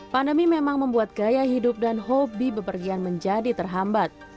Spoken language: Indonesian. pandemi memang membuat gaya hidup dan hobi bepergian menjadi terhambat